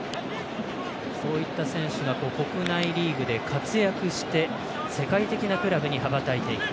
そういった選手が国内リーグで活躍して世界的なクラブに羽ばたいていく。